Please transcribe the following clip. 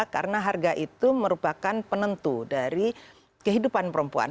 karena harga itu merupakan penentu dari kehidupan perempuan